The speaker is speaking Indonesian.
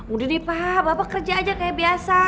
udah nih pak bapak kerja aja kayak biasa